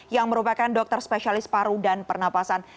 yang merupakan dokter spesialis paru dan pernapasan